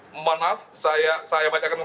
menimbang bahwa berdasarkan